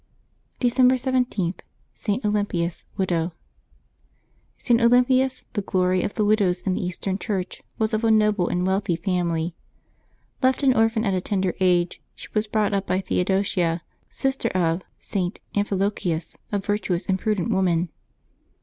December 17.— ST. OLYMPIAS, Widow. |T. Olympias, the glory of the widows in the Eastern Church, was of a noble and wealthy family. Left an orphan at a tender age, she was brought up by Theo dosia, sister of St. Amphilochius, a virtuous and prudent woman.